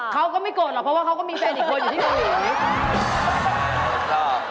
เขาก็ไม่โกรธหรอกเพราะว่าเขาก็มีแฟนอีกคนอยู่ที่เกาหลี